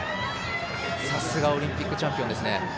さすがオリンピックチャンピオンですね。